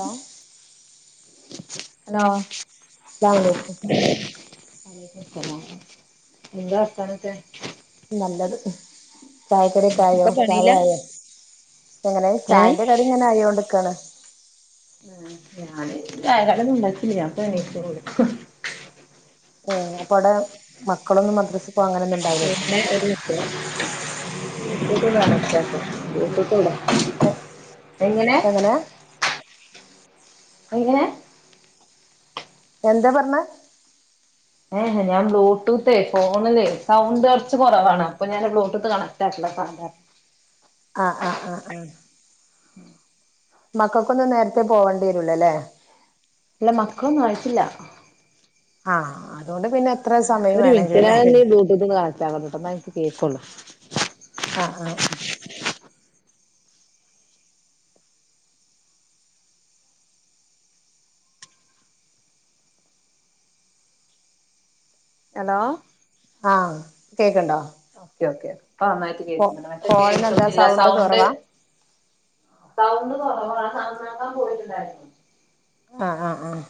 Hello hello അസ്സലാമലൈക്കും തലേന്നിടുത്തതാ എന്താ വാർത്താനൊക്കെ നല്ലത് ചായക്കടി ഒക്കെ ആയോ ചായ ആയോ ഇങ്ങനെ ആഹ് ചായന്റെ കടി ഇങ്ങനെ ആയോണ്ട്ക്കാണ് ആഹ് ഞാന് ചായക്കടി ഒന്നും ഉണ്ടാക്കില്ല ഇപ്പൊണീറ്റതൊള്ളൂ ഏഹ് അപ്പ അവിടെ മക്കളൊന്നും മദ്രസി പിന്നെ ഒരു മിൻറ്റെ ബ്ലൂട്ടൂതൊന്ന് കണക്ട്ക്കാ ബ്ലൂട്ടൂത് ണ്ട് ഏഹ് എങ്ങനെ എങ്ങനെ എന്താ പർഞ്ഞെ? ഏഹ് ഞാൻ ബ്ലൂടൂത്തെ ഫോണിലേ സൗണ്ട് കൊർച്ച് കൊറവാണ് അപ്പൊ ഞാന് ബ്ലൂടൂത്ത് കണക്റ്റാക്കലാ സാധാ ആഹ് ആഹ് ആഹ് ആഹ് മക്കക്കൊന്നും നേരെത്തെ പോവേണ്ട്യരൂല്ല ല്ലേ. ഇല്ല മക്കളൊന്ന്വായിട്ടില്ല. ആഹ് അതോണ്ട് പിന്നെ എത്ര ഉം സമയം ഒരു മിൻറ്റേ വേണമെങ്കിലും നേരം ഞാനൊന്ന് ബ്ലൂട്ടൂത് കണക്റ്റാക്കട്ടെ ട്ടോ എന്നാ ഇൻക്ക് കേക്കൊള്ളൂ. ആഹ് ആഹ് ഉം ഹലോ ആഹ് കേക്ക്ണ്ടോ? ഓക്കെ ഓക്കെ പ്പൊ നന്നായിട്ട് ഫോ കേക്ക്ണ്ട് മറ്റെ ഫോണിന് എന്താ കേൾക്കുന്നില്ല സൗണ്ട് കുറവാ സൗണ്ട് കൊറവാ അത് നന്നാക്കാൻ പോയിണ്ടായിര്ന്നു. ആഹ് ആഹ് ആഹ്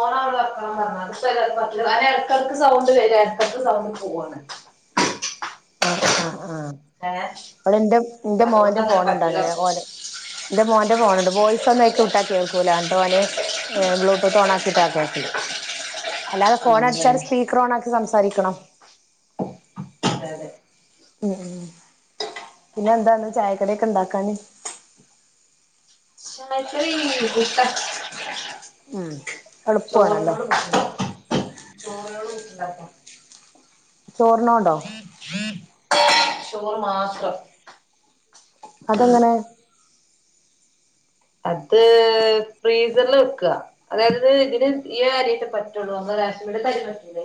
ഫോൺ അവടെ വെക്കണം പർഞ്ഞ് അത് പ്പെതായാലും പറ്റൂല കാരണം എടക്കെടക്ക് സൗണ്ട് വെരാ എടക്കെടക്ക് സൗണ്ട് പോവാണ്. ആഹ് ആഹ് ആഹ് ഏ ഇവടെ ഇന്റെ ഇൻ്റെ അതുകൊണ്ട് മോന്റെ അങ്ങനെ ഫോണ് പറ്റില്ല ണ്ടങ്ങനെ ഓന് ഇന്റെ മോന്റെ ഫോണ് ണ്ട് വോയ്സൊന്നും അയ്ക്ക് വിട്ടാ കേൾക്കൂലാ ന്ന്ട്ടോന് ഏഹ് ബ്ലൂടൂത്തോണാക്കീട്ടാ കേക്കല്. അല്ലാതെ ഫോണടിച്ചാല് അങ്ങനെയാണ് സ്പീക്കറോണാക്കി അതെ സംസാരിക്കണം. അതെ യതെ ഉം ഉം പിന്നെന്താന്ന് ചായക്കട്യൊക്കെണ്ടാക്കാന്? ചായക്കടി പുട്ടാ ഉം എളുപ്പമാണല്ലോ ചോറിനോട് പുട്ട്ണ്ടാക്കാ ചോറിനോട് പുട്ട്ണ്ടാക്കും. ചോർനോ ചോറ് മാത്രം അതെങ്ങനെ അത് ഫ്രീസറില് വെക്കാ അതായത് ഇതിന് ഈ അര്യൊക്കെ പറ്റൊള്ളൂ നമ്മളെ റേഷൻ പീട്യെത്തരി പറ്റൂല്ലേ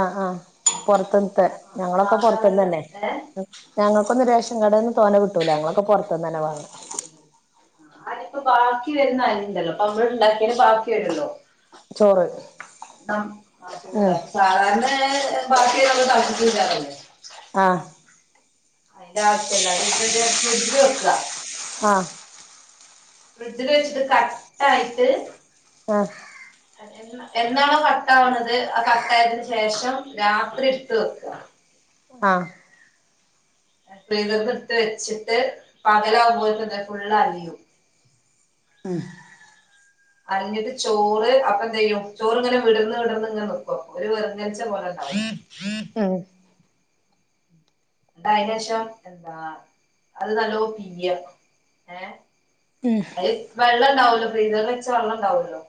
ആഹ് ആഹ് പൊർത്ത്ന്ന്തെ ഞങ്ങളൊക്കെ സാധാരണ പൊർത്ത്ന്നന്നെ ഏ ഞങ്ങക്കൊന്നും റേഷൻ കടേന്ന് തോനെ കിട്ടൂല്ല ഞങ്ങളൊക്ക പോർത്ത്ന്നന്നെ വാങ്ങ അയ്ക്ക് ബാക്കി വര്ന്ന അരിണ്ടല്ലോ പ്പമ്മളിണ്ടാക്ക്യേന് ബാക്കി വെരോല്ലോ ചോറ് ആഹ് ബാക്കി കൊണ്ട ഉം സാധാരണേ ബാക്കിള്ളത് തൾപ്പിച്ചൂറ്റാറല്ലേ ആഹ് അയ്ൻ്റാവശ്യല്ല ത്‌ത്ടെ ഫ്രിഡ്ജില് വെക്കാ. ആഹ് ഫ്രിഡ്ജില് വെച്ചിട്ട് കട്ടായിട്ട് ആഹ് [unintelligible] എന്നാണോ കട്ടാവ്ണത് ആ കട്ടായതിന് ശേഷം രാത്രി ഇട്ത്ത് വെക്കാ ആഹ് ഫ്രീസർന്ന്ട്ത്ത് വെച്ച്ട്ട് പകലാവുംമ്പോക്ക് ഇത് ഫുള്ളലിയും ഉം അലിഞ്ഞിട്ട് ചോറ് അപ്പന്തെയ്യും ചോറ്ങ്ങനെ വിടർന്ന് വിടർന്ന് ങ്ങനെ ന്ക്കും ഒരു വെറ്ങ്ങല്ച്ച പോലെണ്ടാവും [inaudible] ആഹ് അയിന്റെശം എന്താ അത് നല്ലോം പിയ്യാ ഉം അയ്ൽ വെള്ളംണ്ടാവല്ലോ ഫ്രീസർല് വെച്ച വെള്ളംണ്ടാവൊല്ലോ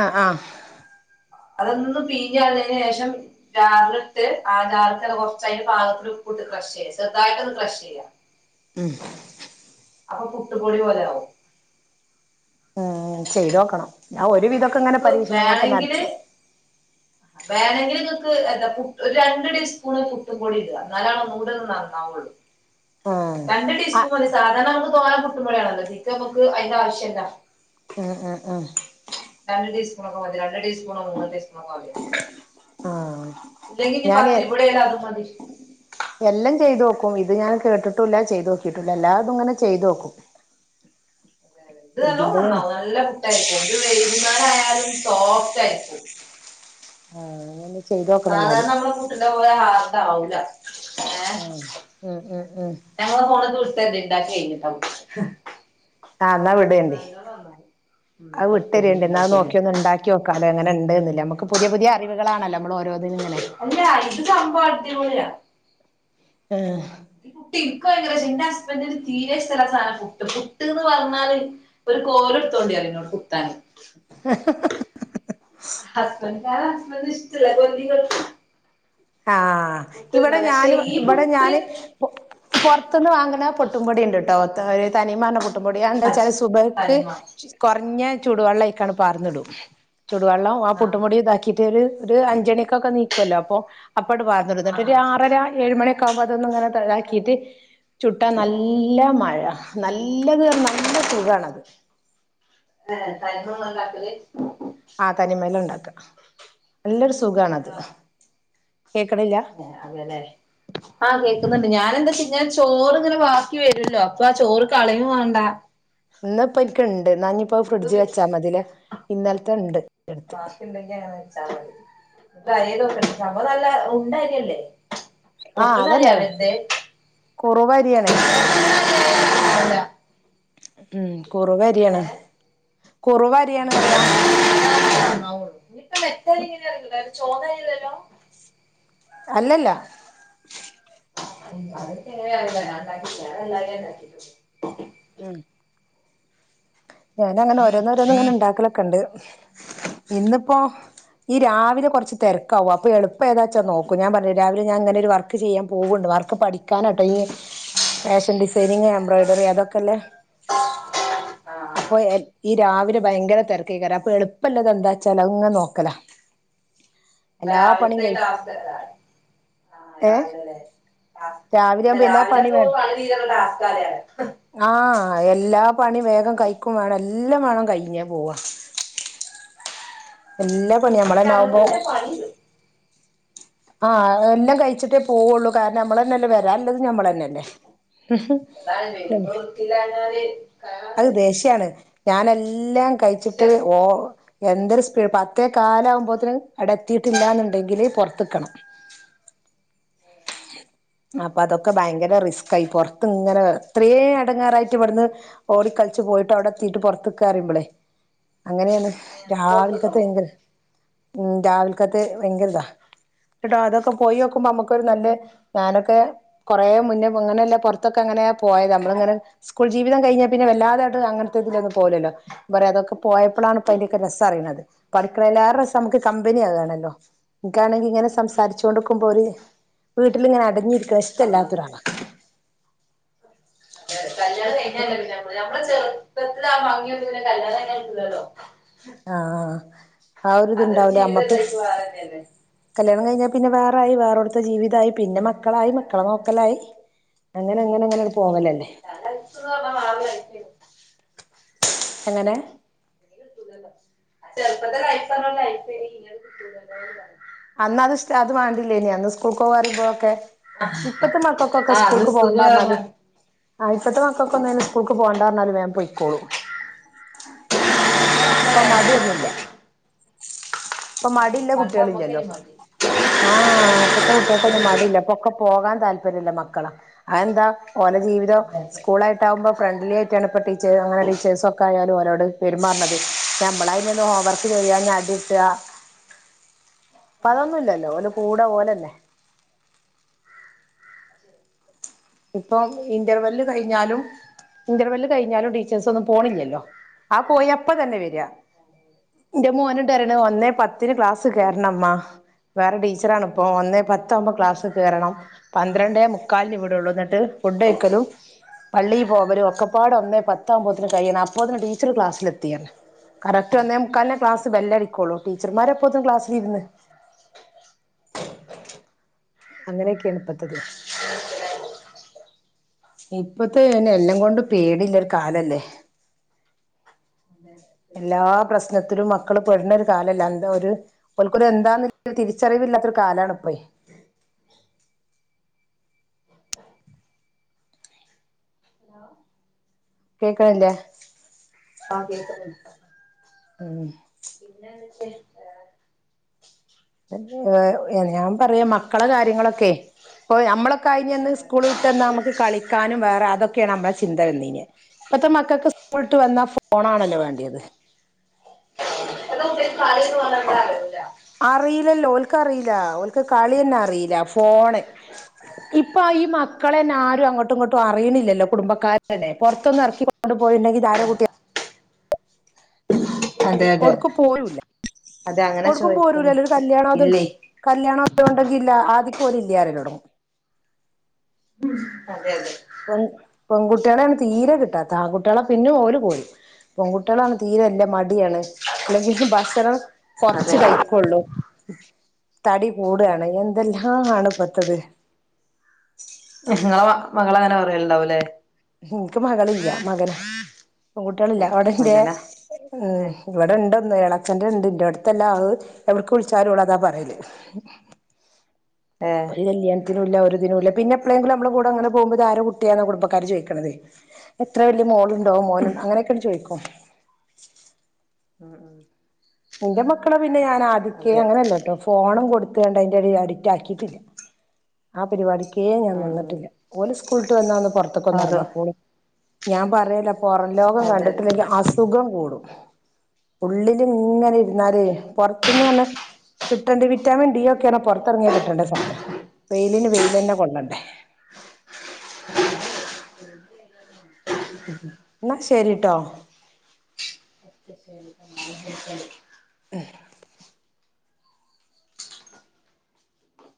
ആഹ് ആഹ് അതൊന്ന് പീഞ്ഞ് കളഞ്ഞെന് ശേഷം ജാരിലിട്ട് ആ ജാർത്തേത് കൊറച്ചയില് പാകത്തിന് ഉപ്പ്ട്ട് ക്രെഷെയ്യാ ചെുതായിട്ടൊന്ന് ക്രെക്ഷെയ്യാ ഉം അപ്പൊ പുട്ടുപൊടി പോലെയാവും ഉം ചെയ്തോക്കണം ഞാൻ ഒരു ആഹ് വിധൊക്കെങ്ങനെ അയിക്ക് പരീക്ഷണങ്ങളൊക്കെ നടത്തും വേണമെങ്കിങ്ങക്ക് എന്താ പു രണ്ട് ടീസ്പൂൺ പുട്ടുംപൊടിടാ എന്നാലൊന്നുകൂടെ ഒന്ന് നന്നാവുള്ളൂ ഉം രണ്ട് ടീസ്പൂൺ മതി സാധാരണ നമുക്ക് തോന കുട്ടുമ്പോഴാണല്ലോ ഇപ്പൊ നമ്മക്ക് അയ്ന്റെ ആവശ്യല്ലാ ആഹ് ആഹ് ആഹ് രണ്ട് ടീസ്പൂണൊക്കെ മതി രണ്ട് ടീസ്പൂൺ [unintelligible] ഓഹ് മതി ആഹ് ഇല്ലെങ്കിഞ്ഞി ഞാന് പത്തിരിപൊടിയായാല് അതും മതി എല്ലാം ചെയ്തോക്കും ഇത് ഞാൻ കേട്ടിട്ടൂല്ല ചെയ്തോക്കിട്ടൂല്ല എല്ലാതും ഇങ്ങനെ ചെയ്തോക്കും ഇത് നല്ലോം ഇതിന്റെയാണ് നന്നാവും നല്ല പുട്ടായിരിക്കും ഇത് വൈകുന്നേരായാലും സോഫ്റ്റായിരിക്കും ആഹ് അങ്ങനെ സാധാരണ നമ്മളെ പുട്ടിന്റെ പോലെ ഹാർഡാവൂല ആഹ് ആഹ് ആഹ് ആഹ് ഞങ്ങളെഫോണിക്ക് വിട്ടേരണ്ടി ഇണ്ടാക്കി കഴിഞ്ഞിട്ട് ആഹ് എന്നാ വിടേണ്ടി ഉം അത് ഞാൻ വിട്ടരണ്ട് വിട്ടരുേണ്ടി ന്നാ ഇണ്ടാക്കി അത് കഴിഞ്ഞിട്ട് നോക്കിയൊന്ന് ഇണ്ടാക്കി നോക്ക്യോക്കാലോങ്ങനെണ്ട്ന്ന്ല്ലേ നമ്മക്ക് പുതിയ പുതിയ അറിവുകളാണല്ലോ നമ്മള് ഓരോന്നിങ്ങനെ ഇല്ലാ ഇത് സംഭവം അടിപൊളിയാണ് ഏഹ് ഇപ്പോൻക്ക് ഭയങ്കരഷ്ട്ടാ ഇന്റെ ഹസ്ബൻഡിനു തീരെ ഇഷ്ടല്ലാത്ത സാധനാ പുട്ട് പുട്ട്ന്ന് പറഞ്ഞാല് ഒരു കോല്ടുത്തോണ്ടി പറയും ന്നോട് കുത്താന് [inaudible] ഹസ്ബൻഡാ ഹസ്ബഡിന് ഇഷ്ടല്ല കൊല്ലിക്കെട്ടും ആഹ് ഇവിടെ പക്ഷെ ഞാനും ഈ ഇവിടെ പുട്ട് ഞാന് പൊ പൊറത്ത്ന്ന് വാങ്ങുണ പൊട്ടും പൊടിണ്ട്ട്ടോ ത തനിമാർഞ്ഞ പു പുട്ടുംപൊടി അത് അജ് എന്തെചാല് സുബൈക്ക് തനിമ കുറഞ്ഞ ചൂടുവെള്ളം അയിക്കാണ്ട് പാർന്നിടും ചൂടുവെള്ളം ആ ആഹ് പുട്ടുപൊടിയൊക്കെ ആക്കീട്ടൊരു ഒരു അഞ്ചണിക്കൊക്കെ നീക്കുവല്ലോ അപ്പൊ അപ്പട് പാർ ന്നിടും ആഹ് എന്നിട്ടൊരു ആഹ് ആറര ഏഴുമണി ഒക്കെ ആവുമ്പോ അതൊന്നുങ്ങനെ താക്കീട്ട് ചുട്ടാ നല്ല മയ നല്ലത് നല്ല സുഖാണത് അതെ തനിമെ ഇങ്ങള് ഇണ്ടാക്കല്? ആഹ് തനിമേല ഇണ്ടാക്ക. നല്ലൊരു സുഖാണത് കേക്കണ്ല്ലാ. അതേല്ലേ. ആഹ് കേക്കുന്നുണ്ട്. ഞാനന്താച്ച ചോറിങ്ങനെ ബാക്കി വരുല്ലോ അപ്പൊ ആ ചോറ് കളയും വേണ്ട ഇന്ന്പ്പ എനിക്ക് ഇണ്ട് ന്നാനിപ്പോ നമുക്ക് ഫ്രിഡ്ജ് വി വെച്ചാമതിലേ. ഇന്നൽത്തെ ഇണ്ട്ന്റെടുത്ത്. [unintelligible] ഈ തലേ ദിവസത്തെ സംഭവം നല്ല ഉണ്ടരിയല്ലേ? ആഹ് ഒട്ട്ണ അരി അതന്നെ ആവര്തെ കുറുവരിയാണേ ഉം കുറവരിയാണ്. ഏഹ് കുറവരിയാണ് പറെയ. ഇനിയിപ്പം മെത്താരിങ്ങനെ ഇണ്ടാവല്. ചോറായല്ലല്ലോ? അല്ലല്ല. അ അതൊക്കെങ്ങനാറിയ. ഞാന് ഇണ്ടകീറ്റ്ല്ലാല്ലോ. [unintelligible] ഉം ഞാനങ്ങനെ ആഹ് ഓരോന്നോരോന്ന് ഇങ്ങനെ ഇണ്ടാക്കലൊക്കെണ്ട്. ഇന്നിപ്പോ ഈ രാവിലെ കൊറച്ച് തെരക്കാവും അപ്പോ എളുപ്പേതാച്ചാ നോക്കും. ഞാൻ പർഞ്ഞില്ലേ രാവിലെ ഞാനിങ്ങനൊരു വർക് വർക്ക് ചെയ്യാൻ പോക്ണ്ട്. വർക്ക് പഠിക്കാനാട്ടോ ഈ ഫാഷൻ ഡിസൈനിങ് എംബ്രോയ്ഡറി അതൊക്കെല്ലേ. അപ്പൊ എ ഈ രാവിലെ ഭയങ്കര തിരക്കേയ്ക്കാരം. അപ്പൊ എളുപ്പള്ളത് എന്താച്ചാല് അഹ് ഇങ്ങനെ നോക്കലാ. ഇപ്പ എല്ലാ പണിയും രാവിൽത്തെ കഴി ടാസ്ക്കെന്നെലെ ആഹ് ഏ രാവിലെ ല്ലേ? രാവിലെ ആവുമ്പോ എല്ലാ രാവിലെ പണി പ്പോ വേണം പണിതീരല് ടാസ്ക്കാല്ലേ? ആഹ് എല്ലാ പണി വേഗം കഴിക്കും വേണം. എല്ലാം വേണം കഴിഞ്ഞാൽ പോവ എല്ലാ പണി നമ്മളെന്നെ ആവുമ്പോ പണീണ്ട്. ആഹ് എല്ലം കഴിച്ചിട്ടേ പോവുള്ളൂ. കാരണം നമ്മളന്നെല്ല വെ വെരാനുള്ളതും ഞമ്മളന്നെല്ലേ? ത്തില്ലാഞ്ഞാല് കയറാൻ അഹ് ദേഷ്യാണ്. ഞാനെല്ലാം കഴിച്ചിട്ട് ദേഷ്യാണ് ഓ എന്തൊരു സ്പീഡ് പത്തെ ത്തെ കാലാവുമ്പോത്തിനും അവിടെ എത്തിട്ടില്ലാന്നുണ്ടെങ്കില് പൊറത്ത് നിക്കണം. അപ്പൊതൊക്കെ ഭയങ്കര റിസ്ക്കാ ഈ അതെ പൊറത്ത് ഇങ്ങനെ ഇത്രേ എടങ്ങേറായിട്ട് ഇവിടുന്ന് ഓടി കളിച്ച് പോയിട്ട് അവിടെത്തീട്ട് പൊറത്ത് നിക്കാറിയുമ്പോളേയ് അങ്ങനെയാണ് ഏഹ് രാവൽക്കത്തെ പൊറത്ത്ക്കണോ ഭയങ്കര മ്മ് രാവൽക്കത്ത് ഭയങ്കര ഇതാ. എന്നിട്ട് അതൊക്കെ പോയിയോക്കുമ്പോ നമുക്കൊരു നല്ലേ ഞാനൊക്കെ കൊറേ മുന്നേ ഇങ്ങനല്ലേ പൊറത്തൊക്കെങ്ങനെ പോയത നമ്മള് ഇങ്ങനെ സ്കൂൾ ജീവിതം കഴിഞ്ഞേ പിന്നെ വല്ലാതായിട്ട് അങ്ങൻത്തെതില് ഒന്നും പോവല്ല്ലാ. ഞാൻ പറയ അതൊക്കെ പോയപ്പളാണ് ഇപ്പ അയ്ന്റെ രസറിയണത്. പഠിക്ക്ണേയ്ലേറെ രസം നമുക്ക് കമ്പനി ആകാണല്ലോ. എനിക്കാണെങ്കിൽ ഇങ്ങനെ സംസാരിച്ച് കൊണ്ട്ക്ക്മ്പൊ ഒര് വീട്ടിലിങ്ങനെ അടഞ്ഞിരിക്കുന്നെ സമാ ഇഷ്ടല്ലാത്തൊരാളാ കല്യാണം കഴിഞ്ഞാ [unintelligible] പിന്നെ ഞമ്മടെ ചെുപ്പത്തിലെ ആ ഭംഗിയൊന്നു പിന്നെ കല്യാണം കയിഞ്ഞ കിട്ടൂലല്ലോ. ആഹ്. ആ ഒരിത് അതൊരു ഇണ്ടാവൂലേ ജീവിതം ഞമ്മക്ക് എല്ലാർക്കും വേറെന്നെയല്ലേ കല്യാണം കഴിഞ്ഞാ പിന്നെ വേറായി. വേറോട്ത്തെ ജീവിതായി, പിന്നെ മക്കളായി, മക്കളെ നോക്കലായി അങ്ങന അങ്ങന അങ്ങനെ പോവലല്ലേ [unintelligible] എങ്ങനെ? ചെറുപ്പത്തെ ലൈഫ് പറഞാ ലൈഫ്എയ്നി ഇഞ് അത് കിട്ടുലല്ലേ അന്ന് അത് ഇഷ് അത് മാണ്ടില്ലേനി അന്ന് സ് സ്കൂള്ക്ക് പോവാറീമ്പോക്കെ ഇപ്പത്തെ മക്കക്കൊക്കെ ആഹ് അന്ന് സ്കൂൾക്ക് സ്കൂൾ പോകണ്ടാ പറഞ്ഞ പറഞ്ഞാലും ആഹ് ഇപ്പത്തെ മക്കക്ക് സ്കൂൾക്ക് പോണ്ടാന്ന പറഞ്ഞാലും വേം പോയ്ക്കോളും. ഇപ്പം മടിയൊന്നില്ല. ഇപ്പൊ മടിയില്ല പണ്ട് കുട്ടികളില്ലല്ലോ. അമ്മക്കന് മടി ആഹ് ഇപ്പത്തെ കുട്ടികൾക്കൊന്നും മടിയില്ല ഇപ്പൊക്കെ പോകാൻ താല്പര്യം ഇല്ല മക്കള അയെന്താ ഓല് ജീവിതം വിചാരിച്ച സ്കൂളായിട്ട് ട്ടാകുമ്പം ഫ്രണ്ട്ലി ആയിട്ടാണ് ഇപ്പം ടീച്ചേ അഹ് ടീച്ചേഴ്സ് ഒക്കെ ആയാലും അവരോട് പെരുമാറുണത് ഞമ്മള ആയിന്നന്ന് ഹോംവർക്ക് ചെയ്യാൻ അടിട്ടാ ഇപ്പ അതൊന്നും ഇല്ലല്ലൊ ഓല കൂടെ ഓലല്ലെ ഇപ്പം ഇന്റർവെല്ല് കഴിഞ്ഞാലും ഇന്റർവെല്ല് കഴിഞ്ഞാലും ടീച്ചേഴ്സ് ഒന്നും പോണില്ലല്ലൊ ആഹ് പോയപ്പ തന്നെ വര എന്റെ മോനുണ്ട് പരീണ് ഒന്നേ പത്തിന് ക്ലാസ് കേറ്ണമ്മ വേറെ ടീച്ചറാണിപ്പോ ഒന്നേ പത്താവുമ്പം ക്ലാസ്സി കേറണം പന്ത്രണ്ടേ മുക്കാൽന് വിടൊള്ളു ഇന്നിട്ട് ഫുഡ്ഡയിക്കലും പള്ളീ പോകലും ഒക്കെ പാടെ ഒന്നേ പത്താവൂമ്പത്തിന് കയ്യണം അപ്പോത്തിന് ടീച്ചറ് ക്ലാസ്സിലെത്തി പർഞ് കറക്റ്റ് ഒന്നേ മുക്കാൽനെ ക്ലാസ്സ് ബെല്ലടിക്കൊള്ളു ടീച്ചർമാര് അപ്പോത്തിന് ക്ലാസ്സിലിരുന്ന് അങ്ങനെയൊക്കേണ് ഇപ്പത്തത് ഉ [unintelligible] ഇപ്പത്തെ എല്ലൊം കൊണ്ടും പേടിള്ളൊരു കാലല്ലേ അതേ എല്ലാ പ്രശ്നത്തിലും മക്കള് പെട്ന്നൊരു കാലല്ലെ അതിന്റ ഒര് ഓൽക്കൊരു എന്താന്ന് തിരിച്ചറിവില്ലാത്തൊരു കാലാണ് ഇപ്പെ കേക്ക്ണില്ലേ ആഹ് കേക്ക്ന്ന്ണ്ട് ഉം പിന്നത് വെച്ച് ഏഹ് ഞാൻ പറയ മക്കളെ കാര്യങ്ങളൊക്കെ ഇപ്പോ ഞമ്മളൊക്ക ആയീഞ്ഞന്ന് സ്കൂൾ വിട്ടന്നാ നമുക്ക് കളിക്കാനും വേറെ അതൊ ക്കേണ് നമ്മള ചിന്ത വന്നീനെ ഇപ്പത്തെ മക്കക്ക് സ്കൂൾ വിട്ടു വന്നാ ഫോണാണലൊ വേണ്ട്യേത് ഇപതെ കുട്ടീക് കളീന്ന് പർഞ എന്താ അറിയൊ അറീലലൊ ഓൽക്കറീല ഓൽക്ക് കളി തന്നെ അറീല ഫോണ് ഇപ്പൊ ഈ മക്കളെന്നെ ആരും അങ്ങോട്ടും ഇങ്ങോട്ടും അറിയ്ണില്ലല്ലൊ കുടുംബക്കാരന്നെ പൊറ്ത്തൊന്നും എറക്കി ണ്ട് പോയിണ്ടെങ്കി ഇതാര കുട്ട്യാ അതെ അതെ എടുക്കും പോരൂല്ല അതെ അങ്ങനെ ഒട്ക്കും ചോദിക്കുന്നു പോരൂലലൊ ഒരു കല്യാണം അത് ഇല്ലേ കല്യാണൊക്കെ ഉണ്ടെങ്കി ഇല്ല ആതിക്ക് ഓല് ഇല്ല്യ പറയലൊടങ്ങും അതെ അതെ പെൺ പെൺകുട്ടീളേണ് തീരെ കിട്ടാത്ത ആൺകുട്ടീളെ പിന്നും ഓല് പോരും പെങ്കുട്ടീളാണ് തീരെ ഇല്ല മടിയാണ് അല്ലെങ്കിലും ഭക്ഷണം അതെ കൊറ്ച്ചു അതെ കയിക്കൊള്ളു തടി ഉം കൂടാണ് എന്തെല്ലാ ആണ് ഇപ്പത്തത് ഇങ്ങള മ മകള അങ്ങന പറയല്ണ്ടാവുലേ ഇൻക്ക് മകളില്ല മകനാ പെൺകുട്ടീളില്ല അവിടെന്റേ മകനാ ഏഹ് ഏ ഉം ഇവിടെ ഇണ്ടൊന്ന് എളച്ചന്റെ ഇണ്ട് ഇന്റോട്ത്തല്ലാ അഹ് എവ്ട്ക്ക് വുള്ച്ചാലു ഓളത പറയല് ഏ [unintelligible] ഒരു കല്യാണത്തിനും ഇല്ല ഒരിതിനും ഇല്ല പിന്നെ എപ്പളേങ്കിലും നമ്മടെ കൂട ഇങ്ങനെ പോകുമ്പൊ ഇതാര കുട്ടിയ കുടുമ്പക്കാര് ചോയിക്ക ണതെ എത്ര വല്യ മോളുണ്ടോ മോനു അങ്ങനെയൊക്കൺ ചോയിക്കും ഉം ഉം ഇന്റെ മക്കളെ പിന്നെ ഞാനാദിക്കേ അതെ അങ്ങനല്ലട്ടൊ ഫോണും കൊടുക്ക ഇന്നട്ടയിന്റെടീല് അഡിറ്റാക്കീട്ടില്ല ആഹ് പരിപാടിക്കേ ഞാൻ ഉം ഉം നിന്നിട്ടില്ല ഓല് സ്കൂൾട്ട് വന്നാ ഒന്ന് പൊറ്ത്ത്ക്കൊന്ന് അതോ എറങ്ങിക്കോളും ഞാൻ പറേലൊ പൊറം ലോകം അതെ അതെ കണ്ടിട്ടില്ലെങ്കി അസു സുഖം കൂടും ഉള്ളില് അതെ ഇങ്ങന അതെ ഇര്ന്നാലെ പൊർ പൊർത്ത തിന്ന പർഞ കിട്ടണ്ടെ വിറ്റാമിൻ ഡീ ഒക്ക പൊറ്ത്തെറങ്ങ്യ കിട്ടണ്ടെ സാധന വെയിലിന് വെയില്ലന്നെ കൊള്ളണ്ടേ എന്നാ ശരിട്ടോ ഓക്കെ ശരി ആഹ് നാളെ ഞാൻ വിളിക്കണ്ട് ഏഹ